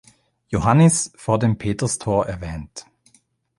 Johannis“ vor dem Peterstor erwähnt.